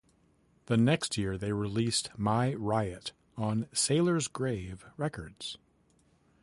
The next year, they released "My Riot" on Sailor's Grave Records.